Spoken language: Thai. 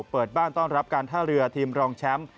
เปิดบ้านต้อนรับการท่าเรือทีมรองแชมป์